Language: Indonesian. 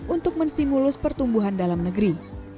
untuk menstimulus pertumbuhan dalam negeri